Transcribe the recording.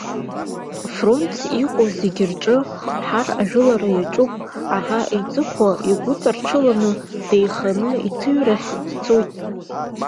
Фронтс иҟоу зегьы рҿы ҳар ажәылара иаҿуп, аӷа иҵыхәа игәыҵарҽыла, деиханы иҭыҩрахь дцоит.